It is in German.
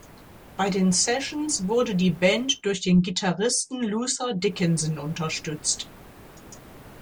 Bei den Sessions wurde die Band durch den Gitarristen Luther Dickinson unterstützt.